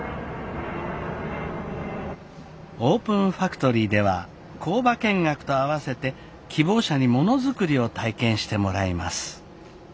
オープンファクトリーでは工場見学と合わせて希望者にものづくりを体験してもらいます。